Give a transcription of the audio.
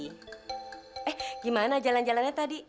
eh gimana jalan jalannya tadi